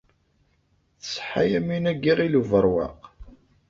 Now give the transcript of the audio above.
Tṣeḥḥa Yamina n Yiɣil Ubeṛwaq?